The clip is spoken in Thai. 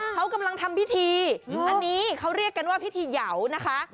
เขากำลังทำพิธีอันนี้เขาเรียกกันว่าพิธีเหยาวนะคะ